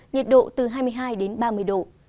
nhiệt độ từ hai mươi hai ba mươi độ